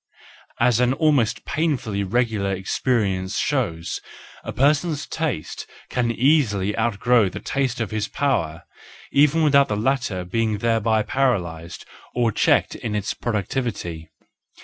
As an almost painfully regular experience shows, a person's taste can easily outgrow the taste of his power, even without the latter being thereby paralysed or checked in its productivity.